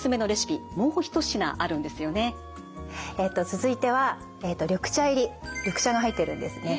続いては緑茶入り緑茶が入ってるんですね。